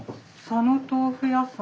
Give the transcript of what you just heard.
佐野豆腐屋。